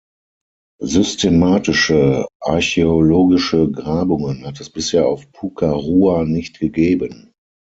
Systematische archäologische Grabungen hat es bisher auf Puka Rua nicht gegeben.